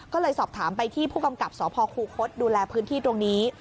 ก็เลยสอบถามไปที่ผู้กำกับสพคูคศดูแลพื้นที่ตรงนี้